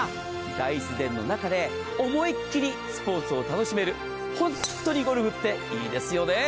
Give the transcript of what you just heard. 大自然の中で思いっきりスポーツを楽しめる、本当にゴルフっていいですよね。